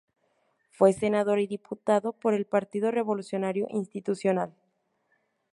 Fue Senador y Diputado por el Partido Revolucionario Institucional.